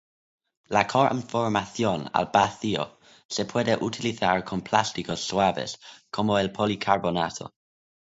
La conformación al vacío se puede utilizar con plásticos suaves como el policarbonato.